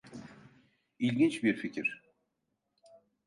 İlginç bir fikir.